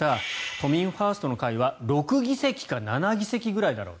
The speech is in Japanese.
都民ファーストの会は６議席か７議席くらいだろう。